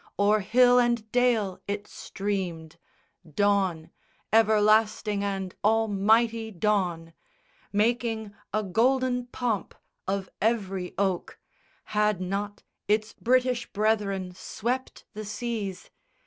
O'er hill and dale it streamed, Dawn, everlasting and almighty dawn, Making a golden pomp of every oak Had not its British brethren swept the seas?